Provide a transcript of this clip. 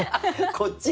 こっち！？